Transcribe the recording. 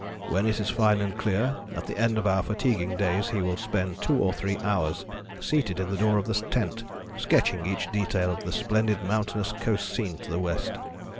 When it is fine and clear, at the end of our fatiguing days he will spend two or three hours seated in the door of the tent, sketching each detail of the splendid mountainous coast scene to the west.